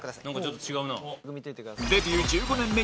何かちょっと違うな。